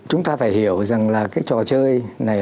chúng ta phải hiểu rằng là cái trò chơi này